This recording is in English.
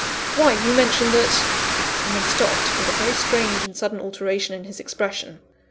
why you mentioned that ;" and then stopped, with a very strange and sudden alteration in his expression.